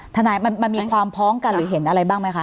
ทนายมันมีความพร้อมกันหรือเห็นอะไรบ้างไหมคะ